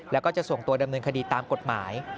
แล้วก็จะส่งตัวดำเนินคดีตามกฎหมาย